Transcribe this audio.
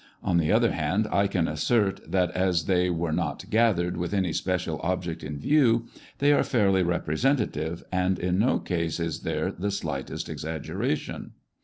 On the other hand, I can assert that as 'they were not gathered with any special object in view, they are fairly representative, and in no case is there the slightest ex aggeration.